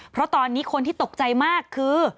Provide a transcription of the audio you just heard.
เพราะตอนนี้คนที่ตกใจมากคือ